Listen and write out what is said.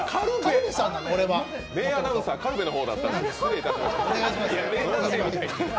名アナウンサー軽部さんだったんですね失礼しました。